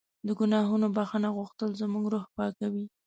د ګناهونو بښنه غوښتل زموږ روح پاکوي.